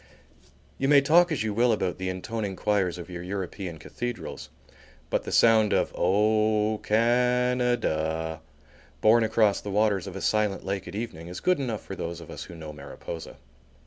You may talk as you will about the intoning choirs of your European cathedrals, but the sound of "O Can a da," borne across the waters of a silent lake at evening is good enough for those of us who know Mariposa.